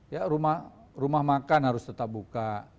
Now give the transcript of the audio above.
ya rumah makan harus tetap buka